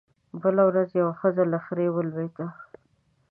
بله ورځ يوه ښځه له خرې ولوېده